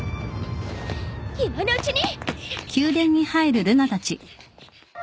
今のうちに！